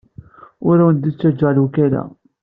Ur awen-d-ttgeɣ lewkala.